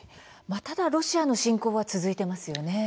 ただ、ロシアの侵攻は続いてますよね。